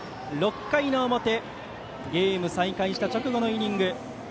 ６回の表ゲーム再開した直後のイニング。